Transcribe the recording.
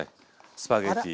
スパゲッティ。